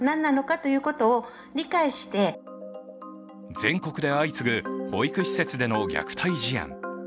全国で相次ぐ保育施設での虐待事案。